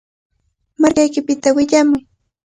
Markaykipita willamuy.